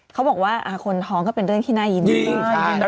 เขาบอกว่าคนท้องก็เป็นเรื่องที่น่ายินดี